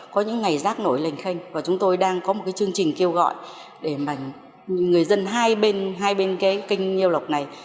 có những ngày rác nổi lên kênh và chúng tôi đang có một chương trình kêu gọi để người dân hai bên kênh nhiêu lộc này